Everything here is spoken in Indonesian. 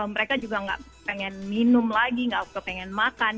mereka juga gak pengen minum lagi gak kepengen makan